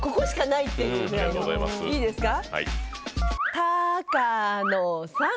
いいですか。